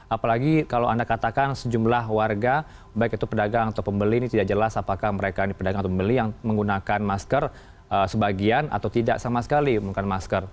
apalagi kalau anda katakan sejumlah warga baik itu pedagang atau pembeli ini tidak jelas apakah mereka ini pedagang atau pembeli yang menggunakan masker sebagian atau tidak sama sekali menggunakan masker